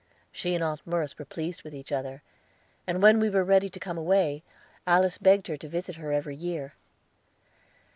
She and Aunt Merce were pleased with each other, and when we were ready to come away, Alice begged her to visit her every year.